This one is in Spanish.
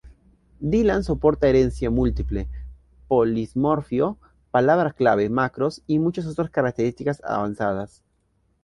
Dylan soporta herencia múltiple, polimorfismo, palabras clave, macros, y muchas otras características avanzadas.